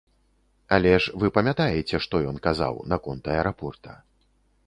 Але ж вы памятаеце, што ён казаў наконт аэрапорта?